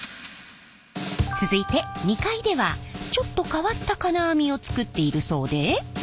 続いて２階ではちょっと変わった金網を作っているそうで。